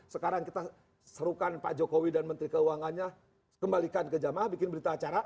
sekarang kita serukan pak jokowi dan menteri keuangannya kembalikan ke jamaah bikin berita acara